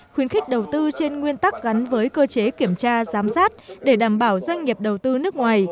khuyến khích đầu tư trên nguyên tắc gắn với cơ chế kiểm tra giám sát để đảm bảo doanh nghiệp đầu tư nước ngoài